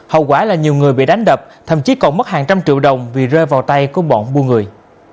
hậu quả là nhiều người bị đánh đập thậm chí còn mất hàng trăm triệu đồng vì rơi vào tay của bọn buôn người